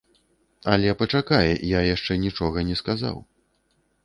Але пачакай, я яшчэ нічога не сказаў.